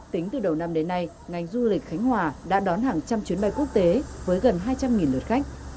tính từ đầu năm đến nay ngành du lịch khánh hòa đã đón hàng trăm chuyến bay quốc tế với gần hai trăm linh lượt khách